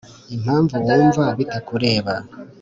impamvu wumva bitakureba